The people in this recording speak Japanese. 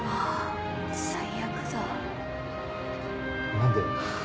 何で？